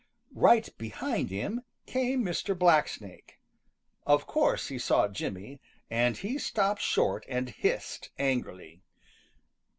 Right behind him came Mr. Blacksnake. Of course he saw Jimmy, and he stopped short and hissed angrily.